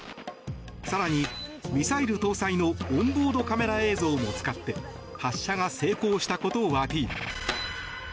更にミサイル搭載のカメラ映像も使って発射が成功したことをアピール。